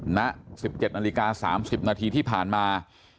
ณสิบเจ็ดนาฬิกาสามสิบนาทีที่ผ่านมา